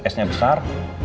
tujuh belas s nya besar